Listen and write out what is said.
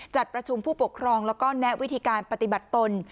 จัดประชุมผู้ปกครองแล้วก็แนะวิธีการปฏิบัติตน